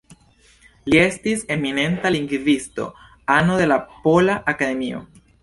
Li estis eminenta lingvisto, ano de la Pola Akademio.